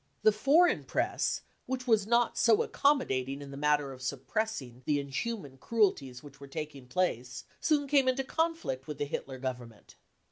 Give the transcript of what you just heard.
» The foreign Press, which was not so accommodating in the matter of suppressing the inhuman cruelties which were taking place, soon came into conflict with the Hitler Govern ment.